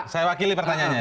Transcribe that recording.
saya wakili pertanyaannya